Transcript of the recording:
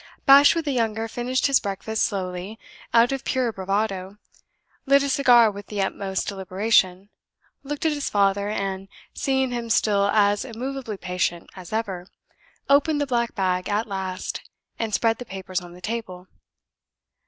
Bashwood the younger finished his breakfast slowly, out of pure bravado; lit a cigar with the utmost deliberation; looked at his father, and, seeing him still as immovably patient as ever, opened the black bag at last, and spread the papers on the table.